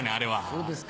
そうですか。